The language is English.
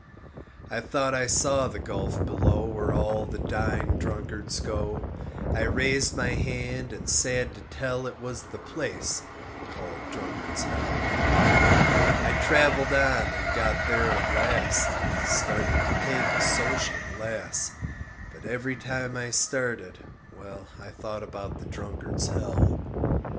I thought I saw the gulf below Where all the dying drunkards go. I raised my hand and sad to tell It was the place called Drunkard's Hell. I traveled on and got there at last And started to take a social glass; But every time I started, well, I thought about the Drunkard's Hell.